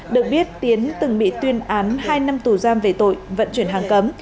được biết tiến từng bị tuyên án hai năm tù giam về tội vận chuyển hàng cấm